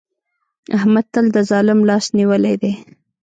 احمد تل د ظالم لاس نيولی دی.